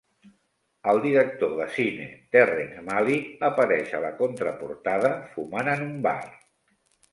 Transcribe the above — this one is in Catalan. El director de cine Terrence Malick apareix a la contraportada fumant en un bar.